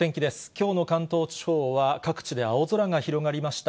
きょうの関東地方は、各地で青空が広がりました。